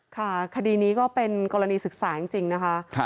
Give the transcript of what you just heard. คดีนี้ก็เป็นกรณีศึกษาจริงนะคะ